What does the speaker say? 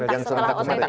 yang serentak setelah ott